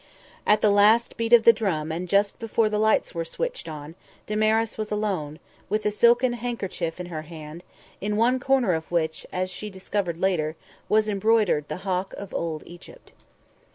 At the last beat of the drum and just before the lights were switched on, Damaris was alone, with a silken handkerchief in her hand, in one corner of which, as she discovered later, was embroidered the Hawk of Old Egypt.